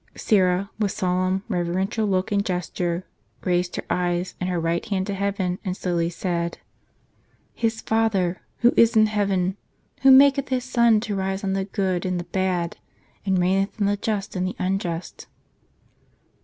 " Syra, with solemn, reverential look and gesture, raised her eyes and her right hand to heaven, and slowly said :" His Father, who is in heaven, who maketh His sun to rise on the good and the bad, and raineth on the just and the unjust."